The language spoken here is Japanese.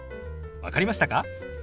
分かりましたか？